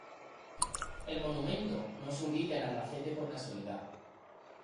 El monumento no se ubica en Albacete por casualidad.